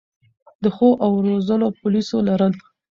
د ښو او روزلو پولیسو لرل